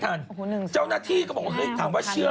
ท่านที่พุกโหตายแล้ว